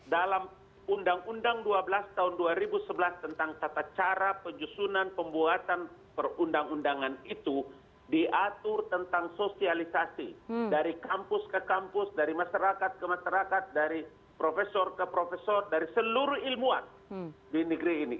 dalam undang undang dua belas tahun dua ribu sebelas tentang tata cara penyusunan pembuatan perundang undangan itu diatur tentang sosialisasi dari kampus ke kampus dari masyarakat ke masyarakat dari profesor ke profesor dari seluruh ilmuwan di negeri ini